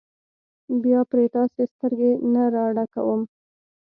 بیا پرې تاسې سترګې نه راډکوم.